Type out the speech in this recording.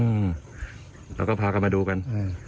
อืมแล้วก็พากลับมาดูกัน